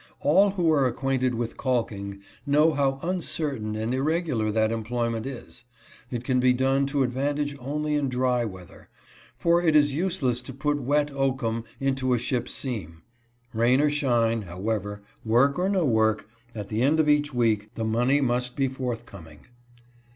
All who are acquainted with calking know how uncertain and irregular that employment is. It can be done to advan tage only in dry weather, for it is useless to put wet oak um into a ship's seam. Rain or shine, however, work or no work, at the end of each week the money must be forthcoming.